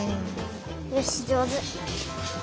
よしじょうず。